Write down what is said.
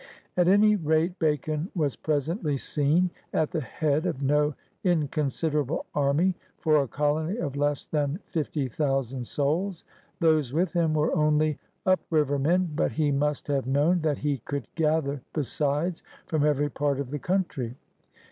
At any rate Bacon was presaitly seen at the head of no incon siderable army for a colony of less than fifty thousand souls. Those with him were only up river men; but he must have known that he could gather besides from every part of the country.